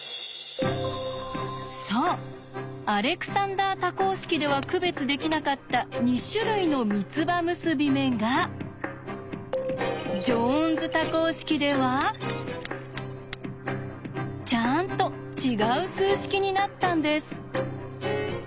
そうアレクサンダー多項式では区別できなかった２種類の三つ葉結び目がジョーンズ多項式ではちゃんと違う数式になったんです。